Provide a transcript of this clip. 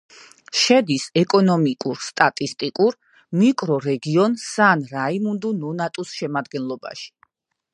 შედის ეკონომიკურ-სტატისტიკურ მიკრორეგიონ სან-რაიმუნდუ-ნონატუს შემადგენლობაში.